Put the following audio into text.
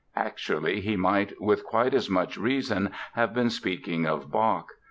Actually, he might with quite as much reason have been speaking of Bach.